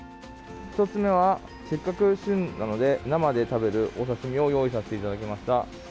１つ目はせっかく旬なので生で食べるお刺身を用意させていただきました。